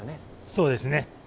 そうですね。